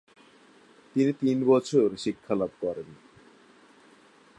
তিনি তিন বছর শিক্ষালাভ করেন।